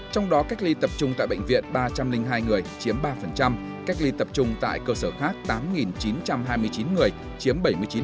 trong đó cách ly tập trung tại bệnh viện ba trăm linh hai người chiếm ba cách ly tập trung tại cơ sở khác tám chín trăm hai mươi chín người chiếm bảy mươi chín